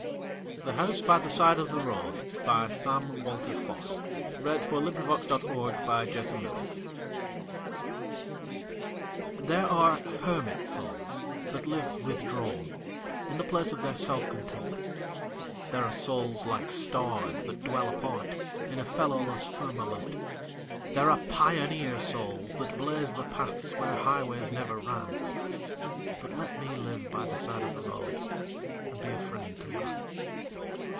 D . E F . G H . I J . K L . M N . O P . Q R . S T . U V . W X . Y Z The House by the Side of the Road THERE are hermit souls that live withdrawn In the place of their self content; There are souls like stars, that dwell apart, In a fellowless firmament; There are pioneer souls that blaze the paths Where highways never ran But let me live by the side of the road And be a friend to man.